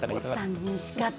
寂しかった。